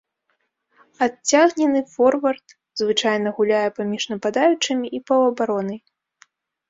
Адцягнены форвард звычайна гуляе паміж нападаючымі і паўабаронай.